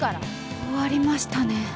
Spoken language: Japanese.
終わりましたね。